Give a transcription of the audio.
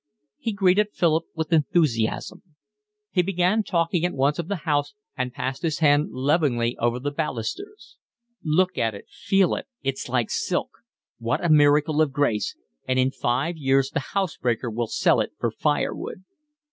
He greeted Philip with enthusiasm. He began talking at once of the house and passed his hand lovingly over the balusters. "Look at it, feel it, it's like silk. What a miracle of grace! And in five years the house breaker will sell it for firewood."